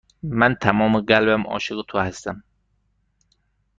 من تمام قلبم عاشق تو هستم.